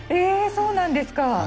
そうなんですか！